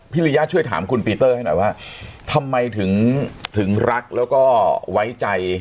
ริยะช่วยถามคุณปีเตอร์ให้หน่อยว่าทำไมถึงถึงรักแล้วก็ไว้ใจ